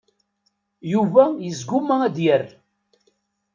Yuba yesguma ad d-yerr.